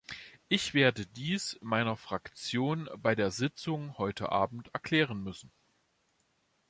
Ich werde dies meiner Fraktion bei der Sitzung heute abend erklären müssen.